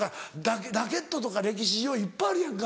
ラケットとか歴史上いっぱいあるやんか。